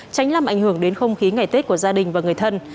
tránh làm ảnh hưởng đến không khí ngày tết của gia đình và người thân